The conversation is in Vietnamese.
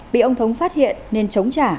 bị ông thống phát hiện nên chống trả